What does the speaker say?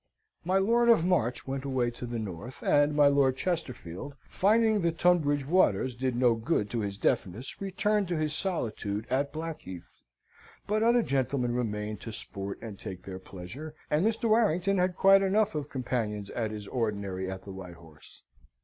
My Lord of March went away to the North; and my Lord Chesterfield, finding the Tunbridge waters did no good to his deafness, returned to his solitude at Blackheath; but other gentlemen remained to sport and take their pleasure, and Mr. Warrington had quite enough of companions at his ordinary at the White Horse.